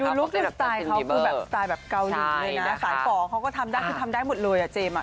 พวกนี้สไตล์เขาคือแบบเกาหลุมสายฝ่อเขาก็ทำได้หมดเลย